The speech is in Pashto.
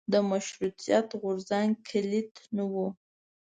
د مشروطیت غورځنګ کلیت نه و.